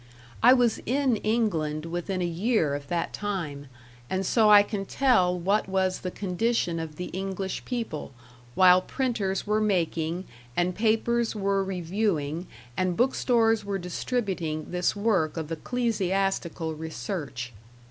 I was in England within a year of that time, and so I can tell what was the condition of the English people while printers were making and papers were reviewing and book stores were distributing this work of ecclesiastical research.